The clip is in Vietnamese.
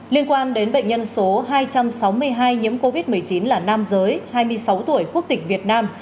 liên quan đến bệnh nhân số hai trăm sáu mươi hai nhiễm covid một mươi chín là nam giới hai mươi sáu tuổi quốc tịch việt nam